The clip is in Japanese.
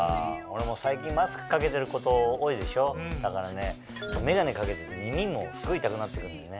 俺も最近マスク掛けてること多いでしょだからメガネ掛けてると耳もすごい痛くなって来るんだよね。